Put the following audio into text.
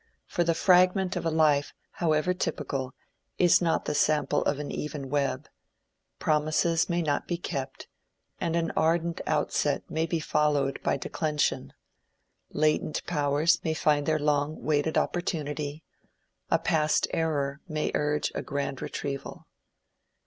For the fragment of a life, however typical, is not the sample of an even web: promises may not be kept, and an ardent outset may be followed by declension; latent powers may find their long waited opportunity; a past error may urge a grand retrieval.